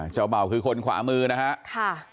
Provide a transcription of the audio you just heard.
เจ้าบ่าวคือคนขวามือนะฮะ